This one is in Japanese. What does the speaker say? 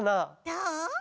どう？